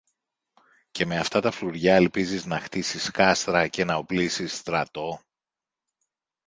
Και με αυτά τα φλουριά ελπίζεις να χτίσεις κάστρα και να οπλίσεις στρατό;